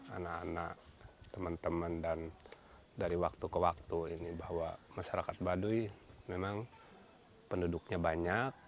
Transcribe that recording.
anak anak teman teman dan dari waktu ke waktu ini bahwa masyarakat baduy memang penduduknya banyak